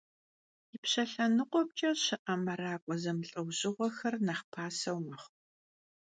Yipşe lhenıkhuemç'e şı'e merak'ue zemılh'eujjığuexer nexh paseu mexhu.